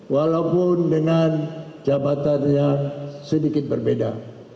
walaupun dengan jabatannya sedikit berbeda